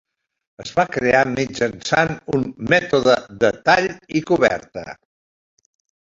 Es va crear mitjançant un mètode de tall i coberta.